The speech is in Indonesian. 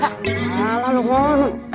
hah malah nugon